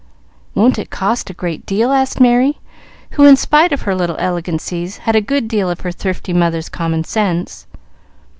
"Won't it cost a great deal?" asked Merry, who, in spite of her little elegancies, had a good deal of her thrifty mother's common sense.